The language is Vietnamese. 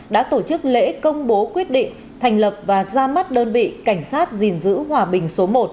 đã tổ chức lễ công bố quyết định thành lập và ra mắt đơn vị cảnh sát gìn giữ hòa bình số một